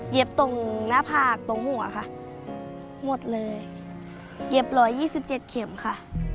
ตรงหน้าผากตรงหัวค่ะหมดเลยเย็บ๑๒๗เข็มค่ะ